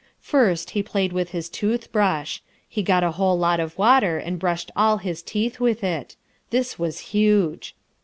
First he played with his tooth brush. He got a whole lot of water and brushed all his teeth with it. This was huge.